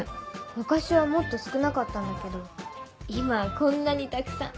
昔はもっと少なかったんだけど今はこんなにたくさん。